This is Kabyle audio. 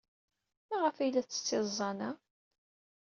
Maɣef ay la tettett iẓẓan-a?